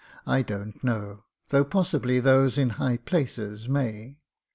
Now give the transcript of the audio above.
I don't know, though possibly those in High Places may.